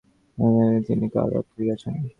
আশা নতশিরে কহিল, তিনি কাল রাত্রেই গেছেন।